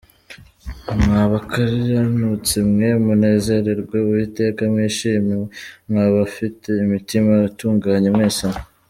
Mwa bakiranutsi mwe, Munezererwe Uwiteka mwishime, Mwa bafite imitima itunganye mwese mwe